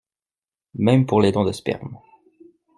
Même pour les dons de sperme.